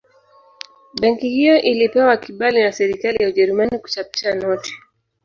Benki hiyo ilipewa kibali na Serikali ya Ujerumani kuchapisha noti